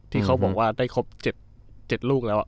ที่เขาบอกว่าได้ครบ๗ลูกแล้ว